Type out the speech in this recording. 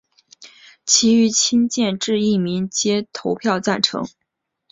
其余亲建制议员皆投赞成票。